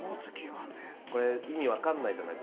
これ意味わかんないじゃないですか。